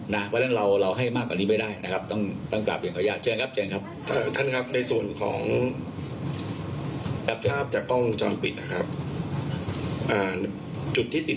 นะเวลาเราเราให้มากกว่านี้ไม่ได้นะครับต้องต้องกลับอย่างต่อ